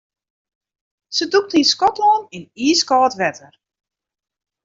Se dûkte yn Skotlân yn iiskâld wetter.